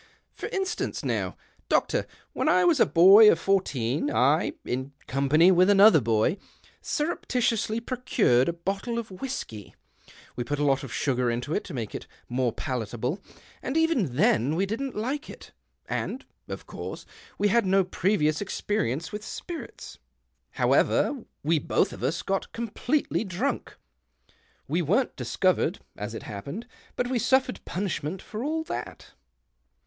" For instance, now, doctor, when I was a boy of fourteen, I, in company with another boy, surreptitiously procured a bottle of whisky. We put a lot of sugar into it to make it more palat able, and even then we didn't like it ; and, of course, we had no previous experience of spirits. However, we l^oth of us got THE OCTAVE OF CLAUDIUS. 127 completely drunk. We weren't discovered, as it happened, but we sutFered punishment for all that.